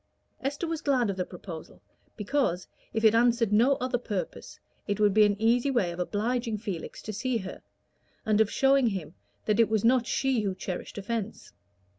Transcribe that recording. Esther was glad of the proposal, because, if it answered no other purpose, it would be an easy way of obliging Felix to see her, and of showing him that it was not she who cherished offence.